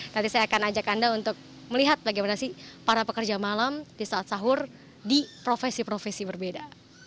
nanti saya akan ajak anda untuk melihat bagaimana sih para pekerja malam di saat sahur di profesi profesi berbeda